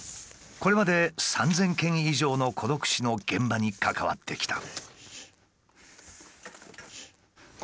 これまで３，０００件以上の孤独死の現場に関わってきた。